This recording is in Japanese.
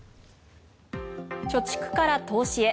貯蓄から投資へ。